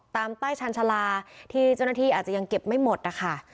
ใต้ชาญชาลาที่เจ้าหน้าที่อาจจะยังเก็บไม่หมดนะคะ